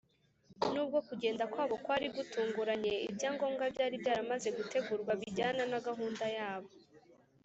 nubwo kugenda kwabo kwari gutunguranye, ibyangombwa byari byaramaze gutegurwa bijyana na gahunda yabo